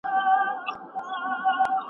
که ملي عاید زیات سي نو هیواد به پرمختګ وکړي.